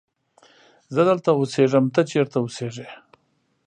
زه دلته اسیږم ته چیرت اوسیږی